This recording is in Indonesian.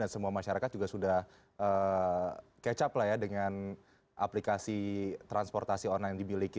semua masyarakat juga sudah kecap lah ya dengan aplikasi transportasi online yang dimiliki